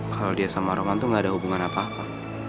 kalau dia sama roman tuh gak ada hubungan apa apa